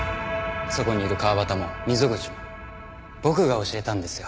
そこにいる川端も溝口も僕が教えたんですよ